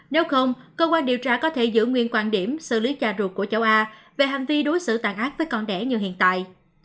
nếu không cơ quan điều tra có thể giữ nguyên quan điểm xử lý trà ruột của châu á về hành vi đối xử tàn ác với con đẻ như hiện tại